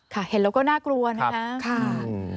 ค่ะเห็นแล้วก็น่ากลัวนะครับ